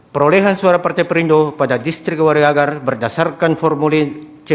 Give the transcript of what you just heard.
perolehan suara partai perindo pada distrik wariagar berdasarkan formulir c